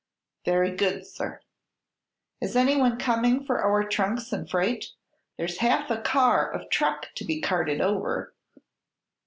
"Very good, sir." "Is anyone coming for our trunks and freight? There's half a car of truck to be carted over."